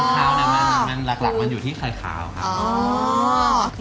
ความคาวมันหลักอยู่ที่ไข่คาวครับ